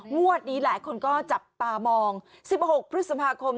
งวดนี้หลายคนก็จับตามอง๑๖พฤษภาคม